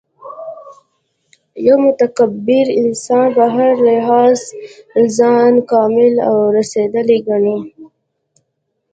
یو متکبر انسان په هر لحاظ ځان کامل او رسېدلی ګڼي